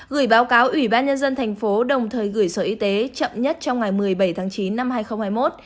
gửi báo cáo ủy ban nhân dân thành phố đồng thời gửi sở y tế chậm nhất trong ngày một mươi bảy tháng chín năm hai nghìn hai mươi một